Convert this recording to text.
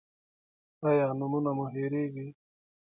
ایا نومونه مو هیریږي؟